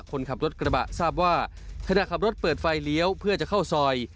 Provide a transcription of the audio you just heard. ขณะขับรถเปิดไฟเลี้ยวเพื่อจะเข้าซอย